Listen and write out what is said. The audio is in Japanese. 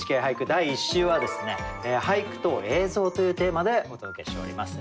第１週は「俳句と映像」というテーマでお届けしております。